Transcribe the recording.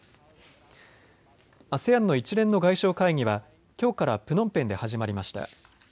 ＡＳＥＡＮの一連の外相会議はきょうからプノンペンで始まりました。